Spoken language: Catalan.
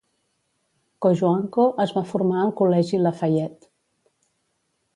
Cojuangco es va formar al Col·legi Lafayette.